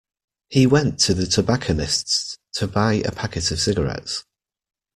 He went to the tobacconists to buy a packet of cigarettes